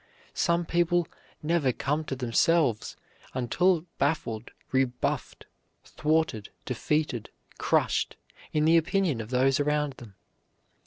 Some people never come to themselves until baffled, rebuffed, thwarted, defeated, crushed, in the opinion of those around them.